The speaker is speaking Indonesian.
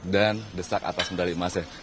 dan desak atas medali emasnya